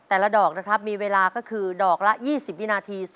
แต่ละดอกนะครับมีเวลาก็คือดอกละ๒๐วินาที